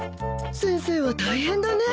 先生は大変だね。